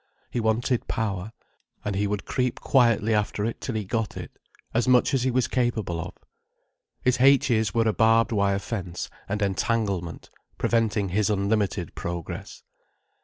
He wanted power—and he would creep quietly after it till he got it: as much as he was capable of. His "h's" were a barbed wire fence and entanglement, preventing his unlimited progress.